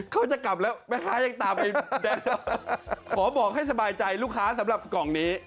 เขาจะกลับแล้วแม่ค้ายังตามไปขอบอกให้สบายใจลูกค้าสำหรับกล่องนี้